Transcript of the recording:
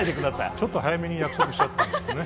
ちょっと早めに約束しちゃったんですよ。